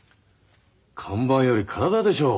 看板より体でしょう。